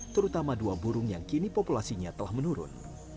terutama dua burung yang kini populasinya telah menurun